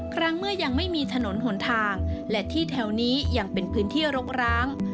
ครั้งเมื่อยังไม่มีถนนหนทางและที่แถวนี้ยังเป็นพื้นที่รกร้าง